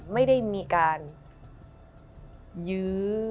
ไม่ได้มีการยื้อ